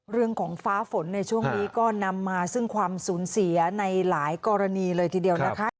ฟ้าฝนในช่วงนี้ก็นำมาซึ่งความสูญเสียในหลายกรณีเลยทีเดียวนะคะ